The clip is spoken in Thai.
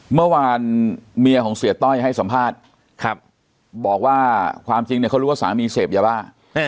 เมื่อวานเมียของเสียต้อยให้สัมภาษณ์บอกว่าความจริงเนี่ยเขารู้ว่าสามีเสพยาบ้า